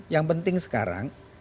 yang penting sekarang